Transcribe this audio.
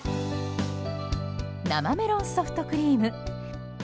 生メロンソフトクリーム。